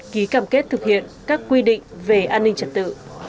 ký cam kết thực hiện các quy định về an ninh trật tự